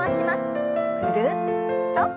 ぐるっと。